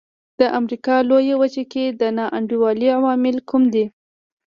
د امریکا لویه وچه کې د نا انډولۍ عوامل کوم دي.